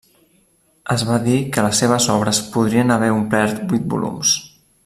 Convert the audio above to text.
Es va dir que les seves obres podrien haver omplert vuit volums.